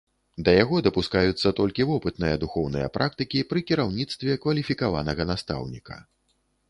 Да яго дапускаюцца толькі вопытныя духоўныя практыкі пры кіраўніцтве кваліфікаванага настаўніка.